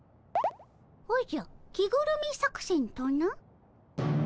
おじゃ着ぐるみ作戦とな？